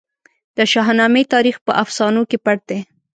د شاهنامې تاریخ په افسانو کې پټ دی.